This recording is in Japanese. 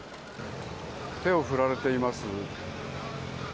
手を振られています。